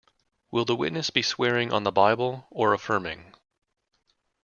Will the witness be swearing on the Bible, or affirming?